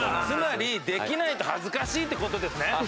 つまりできないと恥ずかしいって事ですね？